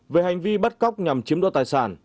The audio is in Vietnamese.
về hành vi bắt cóc nhằm chiếm đoạt tài sản